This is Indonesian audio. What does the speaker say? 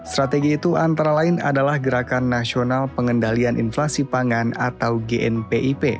strategi itu antara lain adalah gerakan nasional pengendalian inflasi pangan atau gnpip